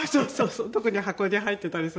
特に箱に入ってたりするとね。